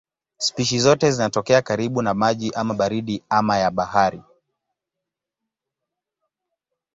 Spishi zote zinatokea karibu na maji ama baridi ama ya bahari.